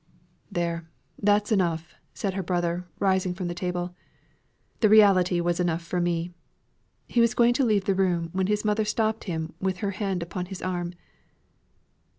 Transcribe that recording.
"There, that's enough," said her brother, rising from the table. "The reality was enough for me." He was going to leave the room, when his mother stopped him with her hand upon his arm.